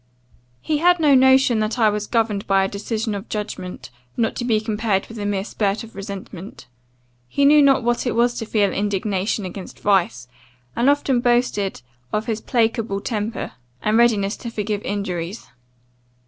"He had no notion that I was governed by a decision of judgment, not to be compared with a mere spurt of resentment. He knew not what it was to feel indignation against vice, and often boasted of his placable temper, and readiness to forgive injuries.